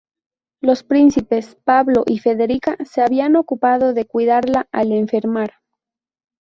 Los príncipes Pablo y Federica se habían ocupado de cuidarla al enfermar.